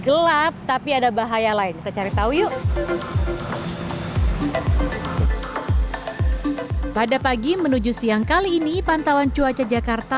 gelap tapi ada bahaya lain kita cari tahu yuk pada pagi menuju siang kali ini pantauan cuaca jakarta